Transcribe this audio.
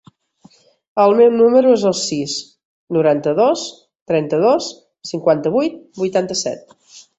El meu número es el sis, noranta-dos, trenta-dos, cinquanta-vuit, vuitanta-set.